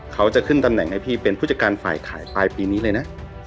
เขาจะขึ้นตำแหน่งให้พี่เป็นผู้จัดการฝ่ายขายปลายปีนี้เลยนะ